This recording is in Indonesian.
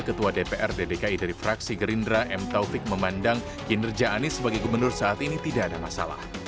ketua dprd dki dari fraksi gerindra m taufik memandang kinerja anies sebagai gubernur saat ini tidak ada masalah